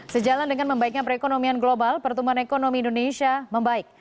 sejalan dengan membaiknya perekonomian global pertumbuhan ekonomi indonesia membaik